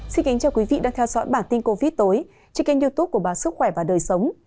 xin kính chào quý vị đang theo dõi bản tin covid tối trên kênh youtube của báo sức khỏe và đời sống